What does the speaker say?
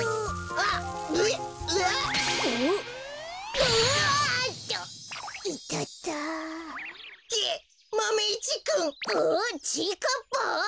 あちぃかっぱ！